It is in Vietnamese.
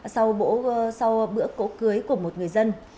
sau bữa cổ cưới của một người dân